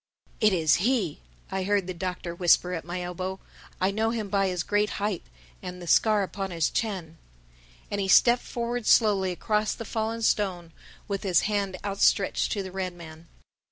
"It is he!" I heard the Doctor whisper at my elbow. "I know him by his great height and the scar upon his chin." And he stepped forward slowly across the fallen stone with his hand outstretched to the red man.